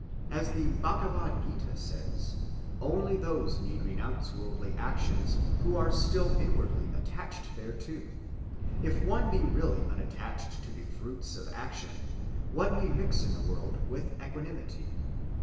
As the Bhagavad‐Gita says, only those need renounce worldly actions who are still inwardly attached thereto. If one be really unattached to the fruits of action, one may mix in the world with equanimity.